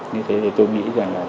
như thế thì tôi nghĩ rằng là